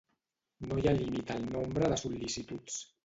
No hi ha límit al nombre de sol·licituds.